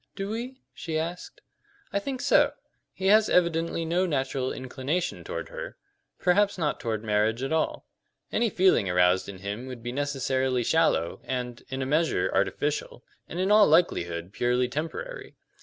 "Do we?" she asked. "I think so. He has evidently no natural inclination toward her perhaps not toward marriage at all. Any feeling aroused in him would be necessarily shallow and, in a measure, artificial, and in all likelihood purely temporary.